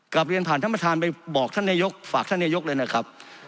กลับเรียนผ่านท่านประธานไปบอกท่านนายกฝากท่านนายกเลยนะครับ